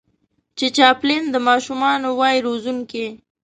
چې چاپلين د ماشومانو وای روزونکی